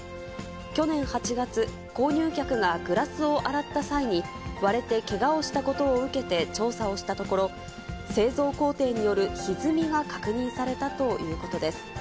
去年８月、購入客がグラスを洗った際に割れてけがをしたことを受けて、調査をしたところ、製造工程によるひずみが確認されたということです。